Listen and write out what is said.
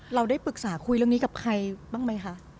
เราได้ปรึกษาคุยเรื่องนี้กับใครบ้างไหมคะ